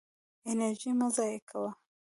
انرژي مه ضایع کوه.